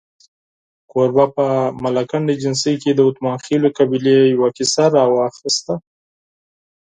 کوربه په ملکنډ ایجنسۍ کې د اتمانخېلو قبیلې یوه کیسه راواخسته.